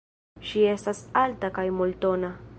Ŝi estas alta kaj mol-tona.